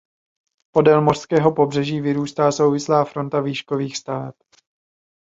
Podél mořského pobřeží vyrůstá souvislá fronta výškových staveb.